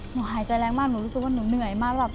หนูรู้สึกว่าหนูเหนื่อยมาก